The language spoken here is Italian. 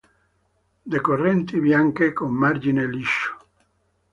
Decorrenti, bianche, con margine liscio.